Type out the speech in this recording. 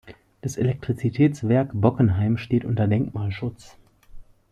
Das Elektrizitätswerk Bockenheim steht unter Denkmalschutz.